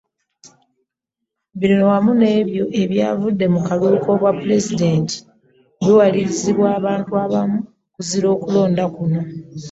Bino wamu n’ebyo ebyavudde mu kalulu k’obwapulezidenti biwaliriza abantu abamu okuzira okulonda kuno.